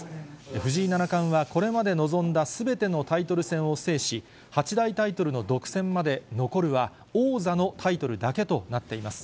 藤井七冠はこれまで臨んだすべてのタイトル戦を制し、八大タイトルの独占まで、残るは王座のタイトルだけとなっています。